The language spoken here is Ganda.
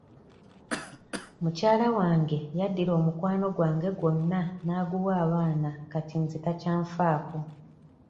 Mukyala wange yaddira omukwano gwange gwonna n'aguwa abaana kati nze takyanfaako.